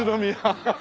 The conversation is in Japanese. ハハハハ。